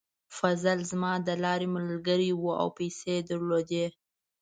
فضل زما د لارې ملګری و او پیسې یې درلودې.